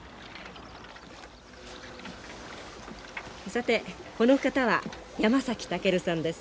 さてこの方は山崎武さんです。